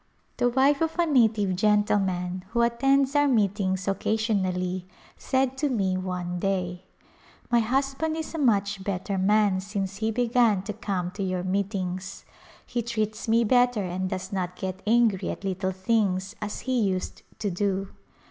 The wife of a native gentleman who attends our meetings occasionally said to me one day :" My A Pilgrimage husband is a much better man since he began to come to your meetings. He treats me better and does not get angry at little things as he used to do."